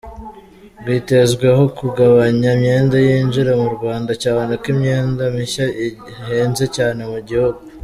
Rwitezweho kugabanya imyenda yinjira mu Rwanda cyane ko imyenda mishya igihenze cyane mu gihugu.